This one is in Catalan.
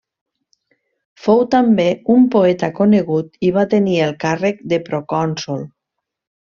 Fou també un poeta conegut i va tenir el càrrec de procònsol.